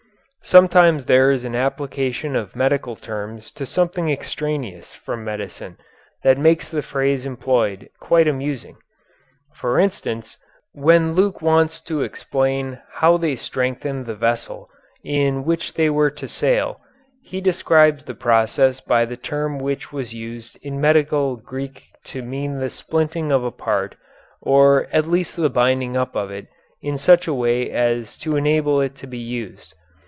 Sometimes there is an application of medical terms to something extraneous from medicine that makes the phrase employed quite amusing. For instance, when Luke wants to explain how they strengthened the vessel in which they were to sail he describes the process by the term which was used in medical Greek to mean the splinting of a part or at least the binding of it up in such a way as to enable it to be used.